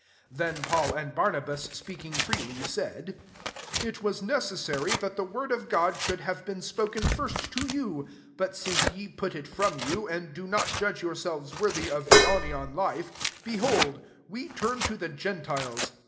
46 Then Paul and Barnabas speak* ing freely, said, " It was ne cessary that the word of God should have been spoken first to you ; but since je put it from you, and do not judge yourselves worthy of aionian life, behold, we turn to the gen tiles.